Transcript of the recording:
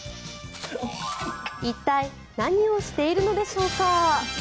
一体何をしているのでしょうか。